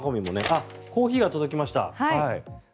あっ、コーヒーが届きました。